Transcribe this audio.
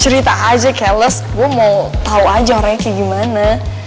eh cerita aja keles gue mau tau aja orangnya kayak gimana